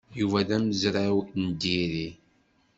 Yuba d amezraw n diri.